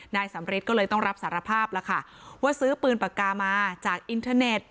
นายสำริทก็เลยต้องรับสารภาพแล้วค่ะว่าซื้อปืนปากกามาจากอินเทอร์เน็ต